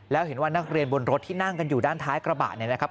แล้วเห็นว่านักเรียนบนรถที่นั่งกันอยู่ด้านท้ายกระบะเนี่ยนะครับ